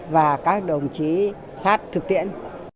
và các đồng chí sát thực tiễn